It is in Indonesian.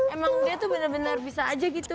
emang dia tuh bener bener bisa aja gitu